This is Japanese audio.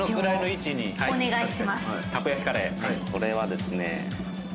これはですね。